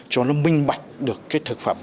cho nó minh bạch được cái thực phẩm